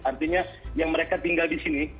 artinya yang mereka tinggal di sini